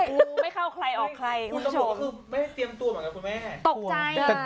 งูไม่เข้าใครออกใครคุณผู้ชมตกใจอ่ะ